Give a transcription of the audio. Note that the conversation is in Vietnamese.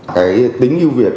cái tính ưu việt